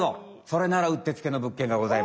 それならうってつけの物件がございます。